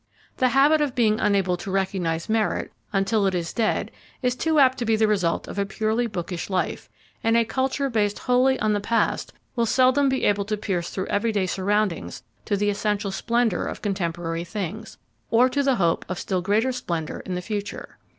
The habit of being unable to recognise merit until it is dead is too apt to be the result of a purely bookish life, and a culture based wholly on the past will seldom be able to pierce through everyday surroundings to the essential splendour of contemporary things, or to the hope of still greater splendour in the future.